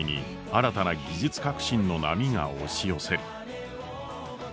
新たな技術革新の波が押し寄せる。